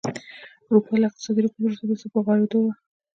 اروپا له اقتصادي رکود وروسته بېرته په غوړېدو وه